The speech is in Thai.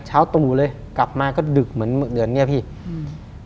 เช้าตกหมูเลยกลับมาก็ดึกเหมือนเหมือนเหนือนเนี่ยพี่อืม